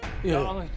あの人？